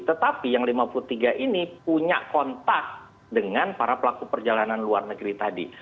tetapi yang lima puluh tiga ini punya kontak dengan para pelaku perjalanan luar negeri tadi